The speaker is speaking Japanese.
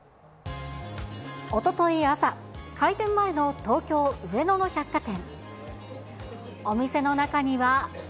おととい朝、開店前の東京・上野の百貨店。